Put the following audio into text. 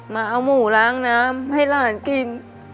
มาเอาหมูล้างน้ำให้หลานกิน